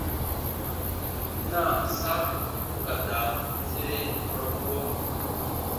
Naasa u ka da sere kɔrɔkuɔ.